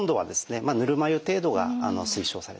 ぬるま湯程度が推奨されています。